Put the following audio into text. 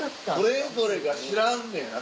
それぞれが知らんねやな。